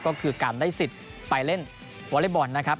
ก็คือการได้สิทธิ์ไปเล่นวอเล็กบอลนะครับ